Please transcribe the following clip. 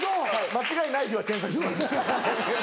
間違いない日は検索します。